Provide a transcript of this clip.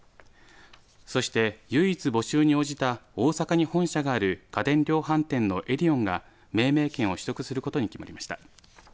そして唯一募集に応じた大阪に本社がある家電量販店のエディオンが命名権を取得することに決まりました。